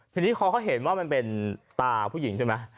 ทีนี้พอเขาเห็นว่ามันเป็นตาผู้หญิงใช่ไหม